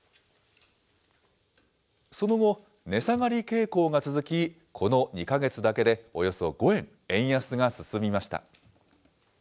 その後、値下がり傾向が続き、この２か月だけでおよそ５円、円安が進みました。